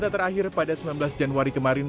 data terakhir pada sembilan belas januari kemarin